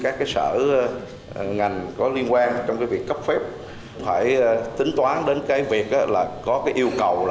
các sở ngành có liên quan trong việc cấp phép phải tính toán đến việc có yêu cầu